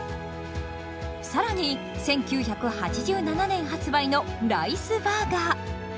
更に１９８７年発売の「ライスバーガー」。